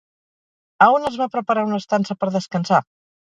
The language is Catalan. A on els va preparar una estança per descansar?